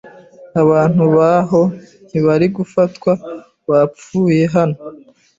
Abantu baho ntibari gufatwa bapfuye hano.